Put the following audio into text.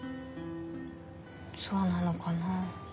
そうなのかな？